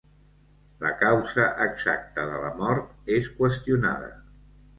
La causa exacta de la mort és qüestionada.